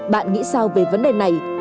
bạn nghĩ sao về vấn đề này